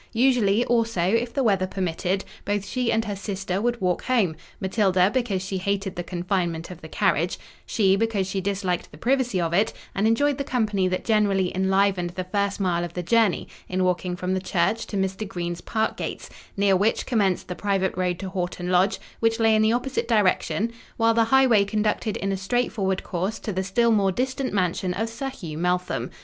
Usually, also, if the weather permitted, both she and her sister would walk home; Matilda, because she hated the confinement of the carriage; she, because she disliked the privacy of it, and enjoyed the company that generally enlivened the first mile of the journey in walking from the church to Mr. Green's park gates: near which commenced the private road to Horton Lodge, which lay in the opposite direction, while the highway conducted in a straightforward course to the still more distant mansion of Sir Hugh Meltham.